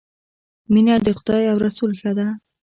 مینه د خدای او رسول ښه ده